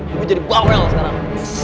ibu jadi buawel sekarang